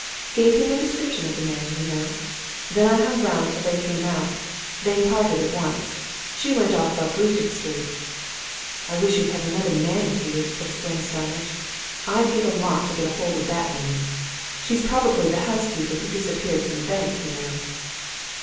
Gave him a description of the man, you know. Then I hung round till they came out. They parted at once she went off up Regent Street " "I wish you'd had another man with you!" exclaimed Starmidge. "I'd give a lot to get hold of that woman. She's probably the housekeeper who disappeared from the bank, you know."